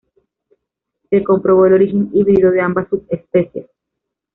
Se comprobó el origen híbrido de ambas subespecies.